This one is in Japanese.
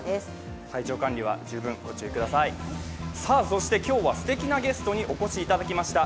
そして今日はすてきなゲストにお越しいただきました。